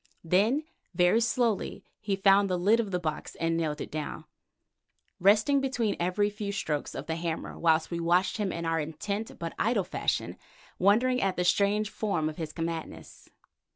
Then very slowly he found the lid of the box and nailed it down, resting between every few strokes of the hammer whilst we watched him in our intent, but idle, fashion, wondering at the strange form of his madness.